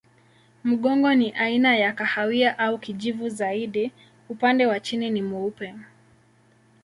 Mgongo ni aina ya kahawia au kijivu zaidi, upande wa chini ni mweupe.